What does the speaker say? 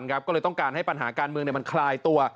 ก็เลยต้องการให้ปัญหาการเมืองมันคลายตัว